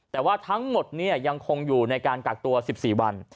แต่ว่าทั้งหมดยังคงอยู่ในการกักตัว๑๔วัน